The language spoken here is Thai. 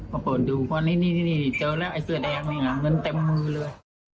เปิดดูพอนี่เจอแล้วไอ้เสื้อแดงนี่ไงเงินเต็มมือเลย